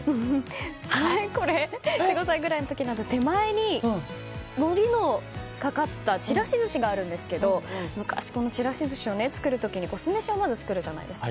これ、４５歳くらいの時手前に、のりのかかったちらし寿司があるんですけど昔、このちらし寿司を作る時酢飯をまず作るじゃないですか。